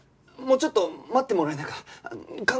もうちょっと待ってもらえないかな。